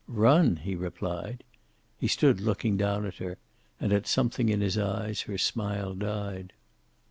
"Run!" he replied. He stood looking down at her, and at something in his eyes her smile died.